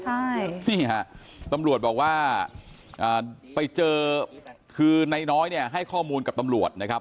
นี่ครับตำรวจบอกว่าไปเจอคือนายน้อยให้ข้อมูลกับตำรวจนะครับ